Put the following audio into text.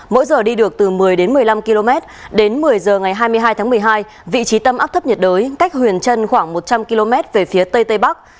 mỗi giờ đi được từ một mươi đến một mươi năm km đến một mươi giờ ngày hai mươi hai tháng một mươi hai vị trí tâm áp thấp nhiệt đới cách huyền trân khoảng một trăm linh km về phía tây tây bắc